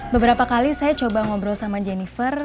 beberapa kali saya coba ngobrol sama jennifer